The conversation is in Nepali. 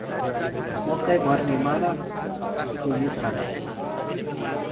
मकै भर्ने माना, सुकाउने छाना ।